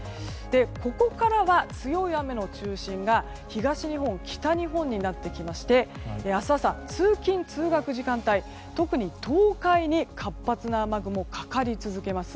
ここからは強い雨の中心が東日本、北日本になってきまして明日朝、通勤・通学時間帯特に東海に活発な雨雲がかかり続けます。